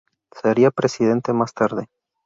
Sería presidente más tarde.